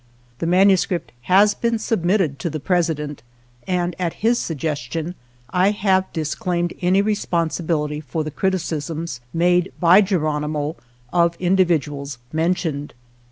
" The manuscript has been submitted to the Presi dent, and at his suggestion I have disclaimed any responsibility for the criticisms (made by Geronimo) of individuals mentioned."